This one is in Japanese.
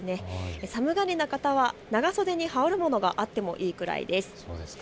寒がりの方は長袖に羽織るものがあってもいいぐらいです。